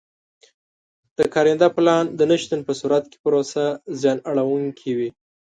د کارنده پلان د نه شتون په صورت کې پروسه زیان اړوونکې وي.